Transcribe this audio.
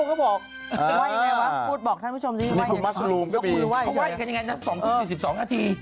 ว่ายยังไงวะพูดบอกท่านผู้ชมซิว่ายยังไง๒ทุ่ม๔๒นาที